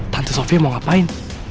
tante sofya mau ngapain